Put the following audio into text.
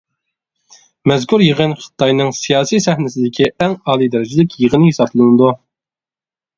مەزكۇر يىغىن خىتاينىڭ سىياسىي سەھنىسىدىكى ئەڭ ئالىي دەرىجىلىك يىغىن ھېسابلىنىدۇ.